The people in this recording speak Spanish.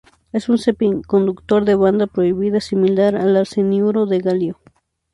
Es un semiconductor de banda prohibida, similar al arseniuro de galio.